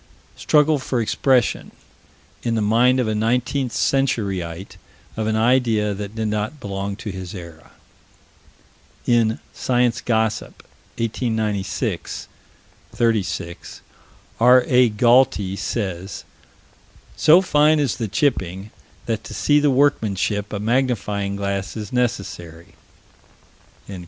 Struggle for expression, in the mind of a 19th century ite, of an idea that did not belong to his era: In Science Gossip, 1896 36, R.A. Galty says: "So fine is the chipping that to see the workmanship a magnifying glass is necessary."